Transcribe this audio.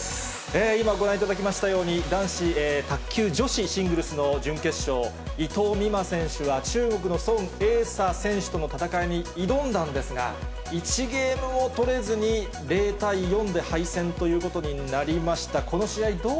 今、ご覧いただきましたように、卓球女子シングルスの準決勝、伊藤美誠選手は中国の孫穎莎選手との戦いに挑んだんですが、１ゲームも取れずに０対４で敗戦ということになりました。